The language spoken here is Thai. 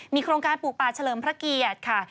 โครงการปลูกป่าเฉลิมพระเกียรติค่ะ